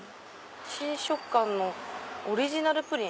「新食感のオリジナルプリン」。